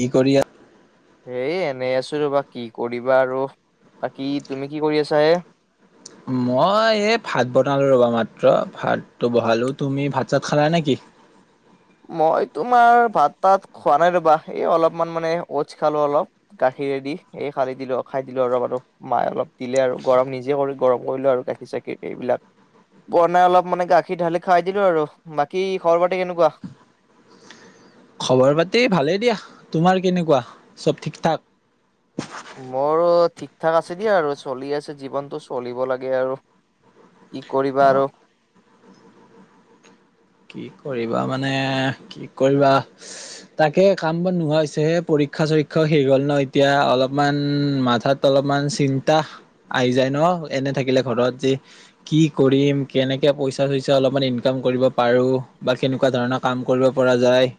কি কৰি আ হেই এনেই আছো ৰ'বা, কি কৰিবা আৰু, বাকী তুমি কি কৰি আছা হে? মই এই ভাত বনালো ৰবা মাত্ৰ, ভাতটো বহালো, তুমি ভাত চাত খালা নেকি? মই তোমাৰ ভাত তাত খোৱা নাই ৰবা, এই অলপমান মানে অটচ খালো অলপ, গাখীৰেদি, এই খালি দিলো খাই দিলো অৰো অৰপ আৰু মায়ে অলপ দিলে আৰু গৰম নিজে কৰি গৰম কৰিলো আৰু গাখীৰ চাখীৰ এইবিলাক, বনাই অলপ মানে গাখীৰ ঢালি খাই দিলো আৰু, বাকী খবৰ পাতি কেনেকুৱা? খবৰ পাতি ভালেই দিয়াহ। তোমাৰ কেনেকুৱা? চব ঠিকঠাক? মোৰো ঠিক ঠাক আছে দিয়া আৰু চলি আছে জীৱনটো চলিব লাগে আৰু কি কৰিবা অ আৰু। কি কৰিবা মানে কি কৰিবা? তাকে কাম বন নোহোৱা হৈছেহে পৰীক্ষা চৰীক্ষাও শেষ হ'ল ন এতিয়া অলপমান মাথাত অলপমান চিন্তা আহি যায় ন, এনে থাকিলে ঘৰত যে কি কৰিম কেনেকে পইচা চইচা অলপমান ইনকাম কৰিব পাৰোঁ। বা কেনেকুৱা ধৰণৰ কাম কৰিব পৰা যায়।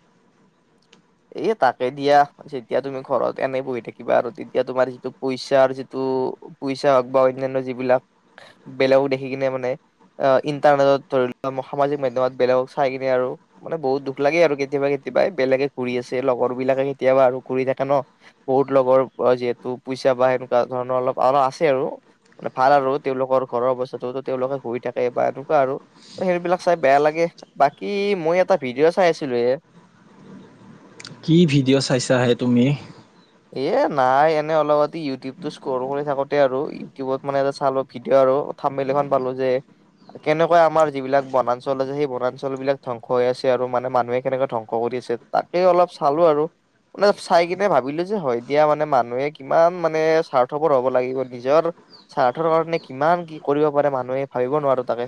এ তাকে দিয়া, যেতিয়া তুমি ঘৰত এনে বহি থাকিবা আৰু তেতিয়া তোমাৰ যিটো পইচাৰ যিটো পইচা হওঁক বা অন্যান্য যিবিলাক, বেলেগক দেখি কিনে মানে ইন্টাৰনেটত ধৰি লোৱা সামাজিক মাধ্যমত বেলেগক চাই কিনে আৰু মানে বহুত দুখ লাগে আৰু কেতিয়াবা কেতিয়াবা বেলেগে ঘুৰি আছে লগৰ বিলাকে কেতিয়াবা আৰু ঘুৰি থাকে ন, বহুত লগৰ যিহেতু পইচা বা সেনেকুৱা ধৰণৰ অলপ আছে আৰু এনে ভাল আৰু তেওঁলোকৰ ঘৰৰ অৱস্থাটো, তেওঁলোকে ঘুৰি থাকে বা এনেকুৱা আৰু, সেইবিলাক চাই বেয়া লাগে বাকী মই এটা ভিডিঅ' চাই আছিলো হে কি ভিডিঅ' চাইছাহে তুমি? এ নাই এনে অলপ ইউটিউবটো স্ক্ৰল কৰি থাকোঁ আৰু ইউটিউবত মানে এ চালো ভিডিঅ' আৰু থাম্মেল এখন পালো যে কেনেকৈ আমাৰ যিবিলাক বনাঞ্চল আছে সেই বনাঞ্চল বিলাক ধ্বংস হৈ আছে আৰু মানে মানুহে কেনেকৈ ধ্বংস কৰি আছে তাকে অলপ চালো আৰু, মানে চাই কিনে ভাবিলোঁ যে হয় দিয়া মানে মানুহে কিমান মানে স্বাৰ্থপৰ হ'ব লাগিব নিজৰ স্বাৰ্থৰ কাৰণে কিমান কি কৰিব পাৰে মানুহে, ভাবিব নোৱাৰো তাকে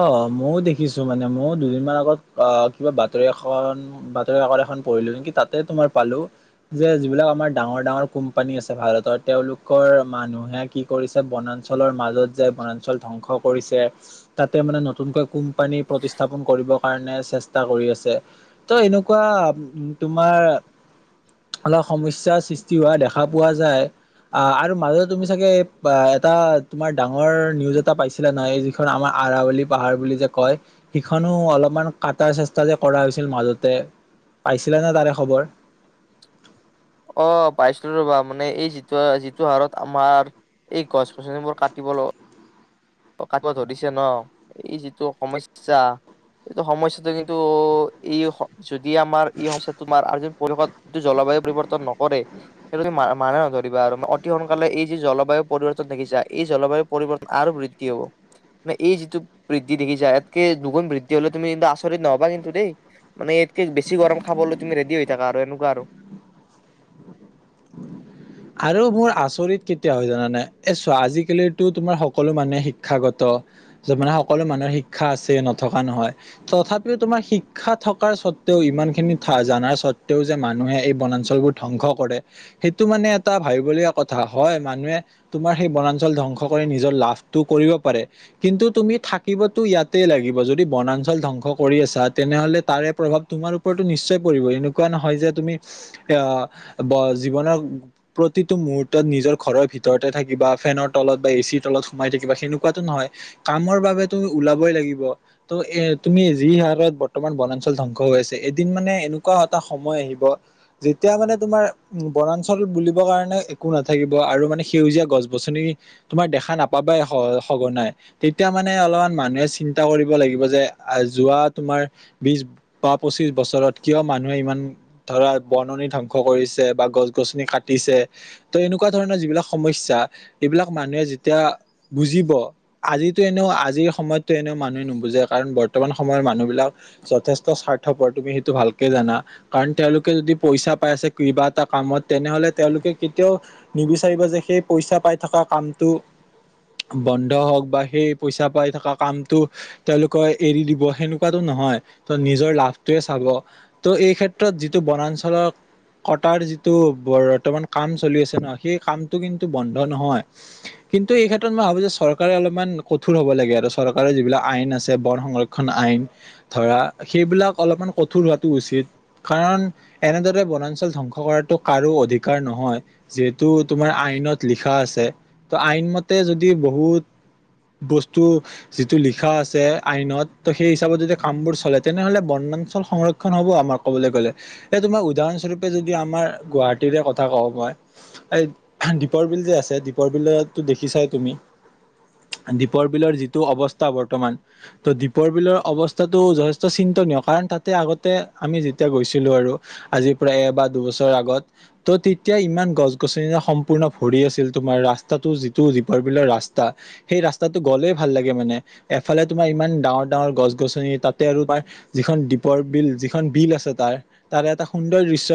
অঁ মইও দেখিছো মানে মও দুদিনমান আগত আহ কিবা বাতৰি এখন বাতৰি কাকত এখন পঢ়িলো নিকি তাতে তোমাৰ পালো যে যিবিলাক আমাৰ ডাঙৰ ডাঙৰ কোম্পানী আছে ভাৰতৰ তেওঁলোকৰ মানুহে কি কৰিছে বনাঞ্চলৰ মাজত যাই বনাঞ্চল ধ্বংস কৰিছে তাতে মানে নতুনকৈ কোম্পানীৰ প্ৰতিস্থাপন কৰিব কাৰণে চেষ্টা কৰি আছে ত' এনেকুৱা তোমাৰ অলপ সমস্যাৰ সৃষ্টি হোৱা দেখা পোৱা যায় অহ আৰু মাজতে তুমি চাগে এটা তোমাৰ ডাঙৰ নিউজ এটা পাইছিলা নহয় এই যিখন আমাৰ আৰাৱলী পাহাৰ বুলি যে কয় সিখনো অলপমান কাটাৰ চেষ্টা যে কৰা হৈছিল মাজতে, পাইছিলা নে তাৰে খবৰ? অঁ পাইছিলো ৰ'বা মানে এই যিটো যিটো হাৰত আমাৰ এই গছ গছনিবোৰ কাটিব ল ত কাকো জধিছে ন এই যিটো সমস্যা, এইটো সমস্যাটো কিন্তু এই অস যদি আমাৰ এই সমস্যাটো তোমাৰ আজিৰ পৰিৱেশত যদি জলবায়ু পৰিৱৰ্তন নকৰে সেই [unintelligible] অতি সোনকালে এই যি জলবায়ু পৰিৱৰ্তন দেখিছা এই জলবায়ু পৰিৱৰ্ত আৰু বৃদ্ধি কি হ'ব ৱে এই যিটো বৃদ্ধি দেখিছা ইয়াতকে দুগুণ বৃদ্ধি হ'লে তুমি কিন্তু আচৰিত নহ'বা কিন্তু দেই মানে ইয়াতকে বেছি গৰম খাবলৈ তুমি ৰেডি হৈ থাকা আৰু এনেকুৱা আৰু আৰু মোৰ আচৰিত কেতিয়া হয় জানানে এ চোৱা আজিকালিতো তোমাৰ সকলো মানুহে শিক্ষাগত যে মানে সকলো মানুহে শিক্ষা আছে নথকা নহয়, তথাপিও তোমাৰ শিক্ষা থকাৰ সত্বেও ইমান খিনি থা জানাৰ সত্বেও যে মানুহে এই বনাঞ্চলবোৰ ধ্বংস কৰে সেইটো মানে টা ভাবিবলগীয়া কথা হয়, মানুহে তোমাৰ সেই বনাঞ্চল ধ্বংস কৰি নিজৰ লাভটো কৰিব পাৰে কিন্তু তুমি থাকিবতো ইয়াতে লাগিব যদি বনাঞ্চল ধ্বংস কৰি আছা তেনেহ'লে তাৰে প্ৰভাৱ তোমাৰ ওপৰতো নিশ্চয় পৰিব। এনেকুৱা নহয় যে তুমি আহ ব জীৱনৰ প্ৰতিটো মুহূৰ্তত নিজৰ ঘৰৰ ভিতৰতে থাকিবা, ফেনৰ তলত বা এচিৰ তলত সোমাই থাকিবা সেনেকুৱাটো নহয় কামৰ বাবে তো ওলাবই লাগিব। ত' এ তুমি যি হাৰত বৰ্তমান বনাঞ্চল ধ্বংস হৈ আছে এদিন মানে এনুকা এটা সময় আহিব, যেতিয়া মানে তোমাৰ বনাঞ্চল বুলি বৰ কাৰণে একো নাথাকিব আৰু মানে সেউজীয়া গছ গছনি তোমাৰ দেখা নাপাবাই স সঘনাই। তেতিয়া মানে অলমান মানুহে চিন্তা কৰিব লাগিব যে আ যোৱা তোমাৰ বিশ বা পঁচিশ বছৰত কিয় মানুহে ইমান ধৰা বননি ধ্বংস কৰিছে বা গছ গছনি কাট টিছে। ত' এনেকুৱা ধৰণৰ যিবিলাক সমস্যা এইবিলাক মানুহে যেতিয়া বুজিব, আজিতো এনেও আজিৰ সময়ত এনেও মানুহে নুবুজে কাৰণ ব বৰ্তমান সময়ৰ মানুহবিলাক যথেষ্ট স্বাৰ্থপৰ তুমি সেইটো ভালকে জানা কাৰণ তেওঁলোকে যদি পইচা পাই আছে কিবা এটা কামত তেনেহ'লে তেওঁলোকে কেতিয়াও নিবিচাৰিব যে সেই পইচা পাই থাকা কামটো বন্ধ হওঁক বা সেই পইচা পাই থাকা কামটো তেওঁলোকে এৰি দিব হেনুকাটো নহয়, ত' নিজৰ লাভটোৱে চাব ত' এই ক্ষেত্ৰত যিটো বনাঞ্চলত কটাৰ যিটো বৰ বৰ্তমান কাম চলি আছে ন সেই কামটো কিন্তু বন্ধ নহয়, কিন্তু এই ক্ষেত্ৰত মই ভাবো যে চৰকাৰে অলপমান কঠোৰ হ'ব লাগে আৰু চৰকাৰৰ যিবিলাক আইন আছে বন সংৰক্ষণ আইন ধৰা সেইবিলাক অলপমান কঠোৰ হোৱাটো উচিত, কাৰণ এনেদৰে বনাঞ্চল ধ্বংস কৰাটো কাৰো অধিক কাৰ নহয় যে টো তোমাৰ আইনত লিখা আছে। ত' আইন মতে যদি বহুত বস্তু যিটো লিখা আছে আইনত সেই হিচাপত যদি কামবোৰ চলে তেনেহলে বনাঞ্চল সংৰক্ষন হ'ব আমাৰ কবলে গ'লে। এ তোমাৰ উদাহৰণস্বৰূপে যদি আমাৰ গুৱাহাট টীৰে কথা কওঁ মই, এই দ্বীপৰ বিল যে আছে, দ্বীপৰ বিলতো দেখিছাই তুমি? দ্বীপৰ বিলৰ যিটো অৱস্থা বৰ্তমান, ত' দ্বীপৰ বিলৰ অৱস্থাতটো যথেষ্ট চিন্তনীয় কাৰণ তাতে আগতে আমি যেতিয়া গৈছিলো আৰু আজিৰ পৰা এবাৰ দুবছৰ আগত ত' তেতিয়া ইমান গছ গছনি সম্পূৰ্ণ ভৰি আছিল তোমাৰ ৰাস্তাটো যিটো দীপৰ বিলৰ ৰাস্তা সেই ৰাস্তাটো গ'লেই ভাল লাগে, মানে এফালে তোমাৰ ইমান ডাঙৰ ডাঙৰ গছ গছনি তাতে আৰু তাৰ যিখন দ্বীপৰ বিল, যিখন বিল আছে তাৰ, তাৰে এটা সুন্দৰ দৃশ্য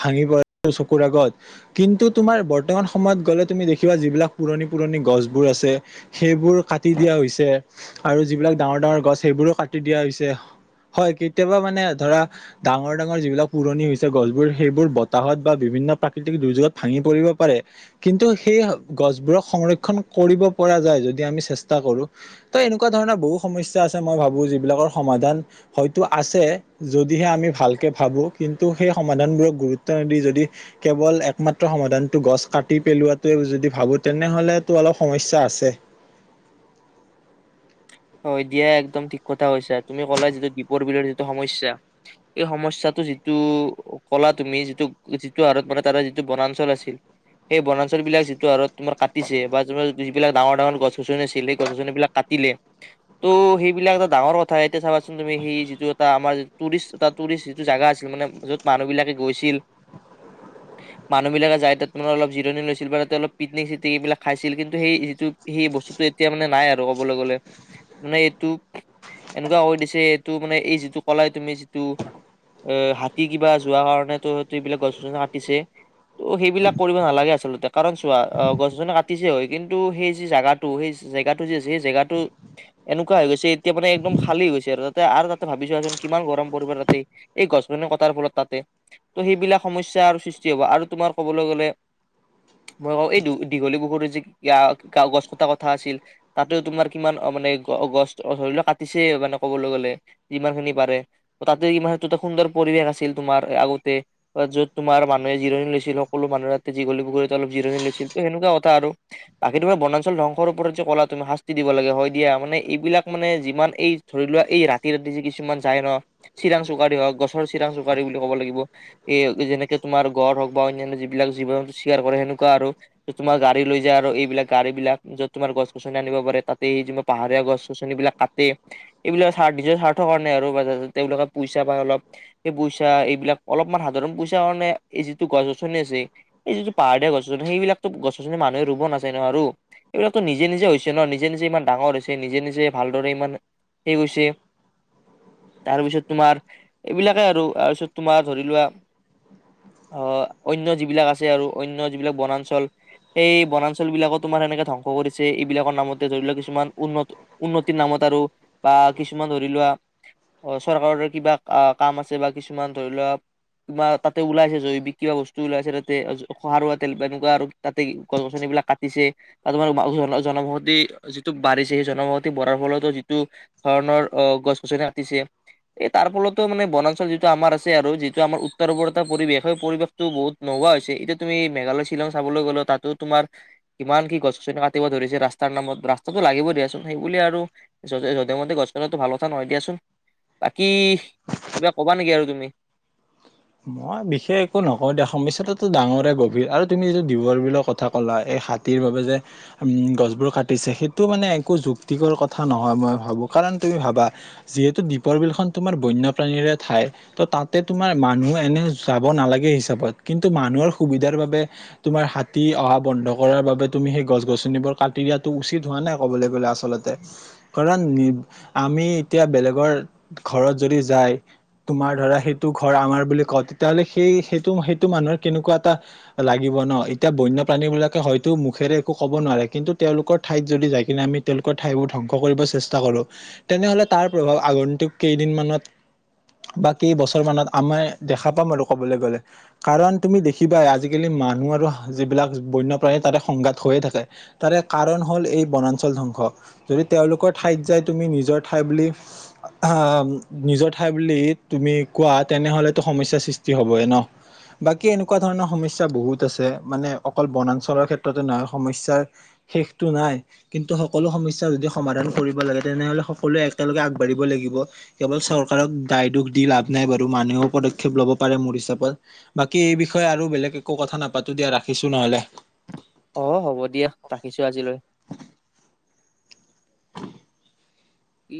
ভাঙি প চকুৰ আগত, কিন্তু তোমাৰ বৰ্তমান সময়ত গ'লে তুমি দেখিবা যিবিলাক পুৰণি পুৰণি গছবোৰ আছে সেইবোৰ কাটি দিয়া হৈছে আৰু যিবিলাক ডাঙৰ ডাঙৰ গছ সেইবোৰো কাটি দিয়া হৈছে। হয় কেতিয়াবা মানে ধৰা ডাঙৰ ডাঙৰ যিবিলাক পুৰণি হৈছে গছবোৰ সেইবোৰ ব তাহত বা বিভিন্ন প্ৰাকৃতিক দুৰ্যোগত ভাঙি পৰিব পাৰে। কিন্তু সেই গছবোৰক সংৰক্ষণ কৰিব পৰা যায় যদি আমি চেষ্টা কৰো। ত' এনেকুৱা ধৰণৰ বহুত সমস্যা আছে মই ভাবো যিবিলাকৰ সমাধান হয়তো আছে, যদিহে আমি ভালকে ভাবো, কিন্তু সেই সমাধান বোৰক গুৰুত ত দি যদি কেৱল একমাত্ৰ সমাধানটো গছ কাটি পেলোৱাটোৱেই যদি ভাবো তেনেহ'লেটো অলপ সমস্যা আছে। হয় দিয়া একদম ঠিক কথা কৈছা। তুমি কলা যিটো দ্বীপৰ বিলৰ যিটো সমস্যা, এই সমস্যাটো যিটো কলা তুমি, যিটো যিটো হাৰত মানে তাৰ যিটো বনাঞ্চল আছিল, সেই বনাঞ্চল বিলাক যিটো হাৰত তোমাৰ কাটিছে বা তোমাৰ যিবিলাক ডাঙৰ ডাঙৰ গছ গছনি আছিল সেই গছ গছনিবিলাক কাট টিলে, ত' সেইবিলাক এটা ডাঙৰ কথা এতিয়া চাবাচোন তুমি সেই যিটো এটা আমাৰ টুৰিষ্ট এটা টুৰিষ্ট যিটো জাগা আছিল মানে য'ত মানুহ বিলাকে গৈছিল মানুহ বিলাকে যাই তাত মানে অলপ জিৰণি লৈছিল বা তাতে অলপ পিকনিক চিকনিক এইবিলাক খাইছিল কিন্তু সেই যিটো সেই বস্তুটো এতিয়া মানে নাই আৰু বলৈ গ'লে, মানে এইটো এনেকুৱা কৰি দিছে এইটো মানে এই যিটো কলাই তুমি যিটো অ হাতী কিবা যোৱাৰ কাৰণেটো হতেবিলাক গছ জোঙা কাটিছে, ত' সেইবিলাক কৰিব নালাগে আচলতে কাৰণ চোৱা গছ যোনে কাটিছে হয় কিন্তু সেই যি জাগাটো সেই জেগাটো যি সেই জেগাটো এনেকুৱা হৈ গৈছে এতিয়া মানে একদম খালী হৈছে আৰু তাতে আৰু তাতে ভাবি চোৱাচোন কিমান গৰম পৰিব তাতে এই গছ গছনি কটাৰ ফলত তাতে। ত' সেইবিলাক সমস্যাৰ সৃষ্টি হ'ব আৰু তোমাৰ ক'বলৈ গ'লে মই কওঁ এই দীঘলী পুখুৰী যি গা গা গছ কটা কথা আছিল তাতে তোমাৰ কিমান মানে গ গছ ধৰি লোৱা কাটিছে মানে ক'বলৈ গ'লে, ইমানহুনি পাৰে, ত' তাতে ইমাহটোত সুন্দৰ পৰিৱেশ আছিল তোমাৰ আগতে, য'ত তোমাৰ মানুহে জিৰণি লৈছিল, সকলো মানুহে তাতে দীঘলী পুখুৰীতে অলপ জিৰণি লৈছিল ত' সেনেকুৱা কথা আৰু, বাকী তোমাৰ বনাঞ্চল ধ্বংসৰ ওপৰত যে কলা তম শাস্তি দিব লাগে হয় দিয়া মানে এইবিলাক মানে যিমান এই ধৰি লোৱা এই ৰাতি ৰাতি যি কিছুমান যায় ন, চিৰাং চুকাৰি হওক গছৰ চিৰাং চুকাৰি বুলি ক'ব লাগিব, এই যেনেকে তোমাৰ গড় হওঁক বা অন্যান্য যিবিলাক জীৱ চিয়াৰ কৰে সেনেকুৱা আৰু। তোমাৰ গাড়ী লৈ যায় আৰু এইবিলাক গাড়ী বিলাক য'ত তোমাৰ গছ পিছলা আনিব পাৰে তাতে যিমৰ পাহাৰীয়া গছ গছনি বিলাক কাটে, এইবিলাক চা নিজৰ স্বাৰ্থৰ কাৰণে আৰু তেওঁলোকে পইচা পায় অলপ, সেই পইচা এইবিলাক অলপমান সাধাৰণ পইচা কাৰণে এই যিটো গছ গছনি আছে সেই যিটো পাহাৰীয়া গছ গছনি, সেইবিলাকতো গছ গছনি মানুহে ৰুব নাযায় ন আৰু। এইবিলাকটো নিজ নিজে নিজে হৈছে ন নিজে নিজে ইমান ডাঙৰ হৈছে, নিজে নিজে ভালদৰে ইমান হে হৈছে। তাৰপিছত তোমাৰ, এইবিলাকে আৰু। তাৰপিছত তোমাৰ ধৰি লোৱা অঁহ অন্য যিবিলাক আছে আৰু অন্য যিবিলাক বনাঞ্চল, সেই বনাঞ্চল বিলাকো তোমাৰ সেনেকে ধ্বংস কৰিছ ছে এইবিলাকৰ নামতে ধৰি লোৱা কিছুমান উন্নত উন্নতিৰ নামত আৰু বা কিছুমান ধৰি লোৱা অ চৰকাৰৰে কিবা কাম আছে বা কিছুমান ধৰি লোৱা কিবা তাতে ওলাইছে জৈৱিক কিবা বস্তু ওলাইছে তাতে, খহাৰুৱা তেল বা তেনকুৱা আৰু তাতে গছ গছনিবিলাক কাটিছে বা তোমাৰ জনবসতি যিটো বাঢ়িছে সেই জনবসতি বঢ়াৰ ফলতো যিটো ধৰণৰ অ গছ গছনি কাটিছে, এই তাৰ ফলতো মানে বনাঞ্চল যিটো আমাৰ আছে আৰু যিটো আমাৰ উত্তৰ পূৰতা পৰিৱেশ, সেই পৰিৱেশটো বহুত নোহোৱা হৈছে। এতিয়া তুমি মেঘালয়, শ্বিলং চাবলৈ গ'লে তাতো তোমাৰ কিমান কি গছ গছনি কা টিব ধৰিছে ৰাস্তাৰ নামত, ৰাস্তাটো লাগিব দিয়াচোন সেইবুলিয়ে আৰু যজে যধে-মধে গছ কাটাটো ভাল কথা নহয় দিয়াচোন। বাকী কিবা ক'বা নেকি আৰু তুমি? মই বিশেষ একো নকওঁ দে সমস্যাটো ডাঙৰে গভীৰ আৰু তুমি যে দিপৰবিলৰ কথা কলা, এই হাতীৰ বাবে যে উম গছবোৰক কাটিছে সেইটো মানে একো যুক্ তিজৰ কথা নহয় মই ভাবো, কাৰণ তুমি ভাবা যিহেতু দ্বীপৰ বিলখন তোমাৰ বন্যপ্ৰাণীৰে ঠাই ত' তাতে তোমাৰ মানুহ এনে যাব নালাগে হিচাপত কিন্তু মানুহৰ সুবিধাৰ বাবে তোমাৰ হাতী অহা বন্ধ কৰাৰ বাবে তুমি সেই গছ গছনিবোৰ কাটি দিয়াটো উচিত হোৱা নাই ক'বলৈ গ'লে আচলতে কাৰণ নি আমি এতিয়া বেলেগৰ ঘৰত যদি যায় তোমাৰ ধৰা সেইটো ঘৰ আমাৰ বুলি কয় তেতিয়া হ'লে সেই সেইটো সেইটো মানুহৰ কেনেকুৱা এটা লাগিব ন এতিয়া বন্যপ্ৰাণী বিলাকে হয়তো মুখেৰে একো ক'ব নোৱাৰে কিন্তু তেওঁলোকৰ ঠাইত যদি যাই কিনে আমি তেওঁলোকৰ ঠাইবোৰ ধ্বংস কৰিব চেষ্টা কৰো তেনেহ'লে তাৰ প্ৰভাৱ আগন্তুক কেইদিন মানত, বা কেইবছৰ মানত আমাই দেখা পাম আলু ক'বলে গ'লে, কাৰণ তুমি দেখিবাই আজিকালি মানুহ আৰু যিবিলাক বন্যপ্ৰাণী তাৰে সংঘাত হৈয়ে থাকে তাৰে কাৰণ হ'ল এই বনাঞ্চল ধ্বংস, যদি তেওঁলোকৰ ঠাইত যাই তুমি নিজৰ ঠাই বুলি অ' নিজৰ ঠাই বুলি তুমি কোৱা তেনেহ'লেতো সমস্যা সৃষ্টি হবই ন, বাকী এনেকুৱা ধৰণৰ সমস্যা বহুত আছে মানে অকল বনাঞ্চলৰ ক্ষেত্ৰতে নহয় সমস্যাৰ শেষতো নাই, কিন্তু সকলো সমস্যা যদি সমাধান কৰিব লাগে তেনেহ'লে সকলোৱে একেলগে আগবাঢ়িব লাগিব কেৱল চৰকাৰক দায় দুষ দি লাভ নাই বৰ্ত মানুহও পদক্ষেপ ল'ব পাৰে মোৰ হিচাপত, বাকী এই বিষয়ে আৰু বেলেগ একো কথা নাপাত অ' হ'ব দিয়া ৰাখিছোঁ আজিলৈ। কি